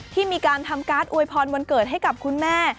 ที่มีการทำการ์ดอวยพรวันเกิดให้กับคุณแม่